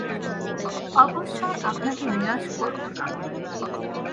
অবশ্যই আপনাকে নিরাশ করবো না।